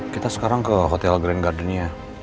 kita sekarang ke hotel grand gardunia